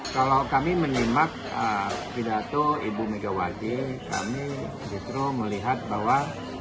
kalau kami menyimak pidato ibu megawati kami justru melihat bahwa